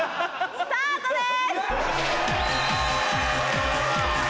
スタートです！